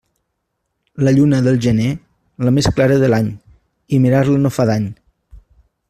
La lluna del gener, la més clara de l'any, i mirar-la no fa dany.